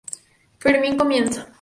Fermín comienza.